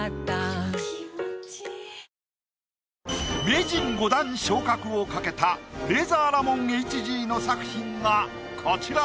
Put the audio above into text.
名人５段昇格をかけたレイザーラモンＨＧの作品がコチラ。